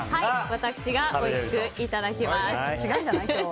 私がおいしくいただきます。